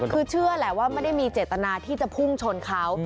คือเชื่อแหละว่าไม่ได้มีเจตนาที่จะพุ่งชนเขา